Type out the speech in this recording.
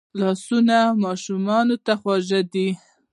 لاسونه ماشومانو ته خواږه دي